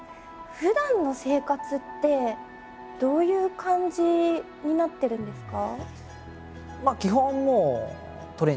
ふだんの生活ってどういう感じになってるんですか？